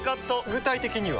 具体的には？